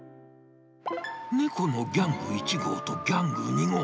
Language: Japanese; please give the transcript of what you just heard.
猫のギャング１号とギャング２号。